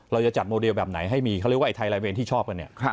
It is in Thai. เราจะจัดโมเดลแบบไหนให้มีเขาเรียกว่าไอเวนที่ชอบกันเนี่ย